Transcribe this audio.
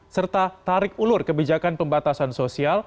serta tarik ulur kebijakan pembatasan sosial